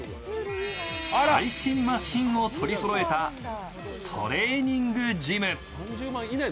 最新マシンを取りそろえたトレーニングジム。